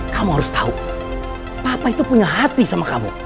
kamu harus tahu papa itu punya hati sama kamu